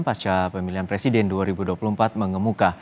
pasca pemilihan presiden dua ribu dua puluh empat mengemuka